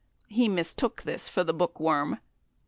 He mistook this for the Bookworm.